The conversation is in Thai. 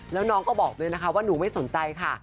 แล้วน้องก็บอกด้วยนะคะว่าหนูไม่สนใจค่ะ